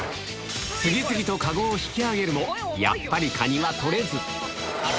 次々と籠を引き上げるも、やっぱりカニは取れず。